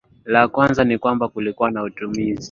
la kwanza ni kwamba kulikuwa na utimizi